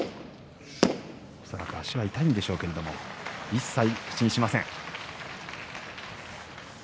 恐らく足は痛いんでしょうが一切口にしません。